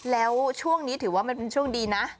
แล้วช่วงนี้ถือว่ามันเป็นช่วงดีนะ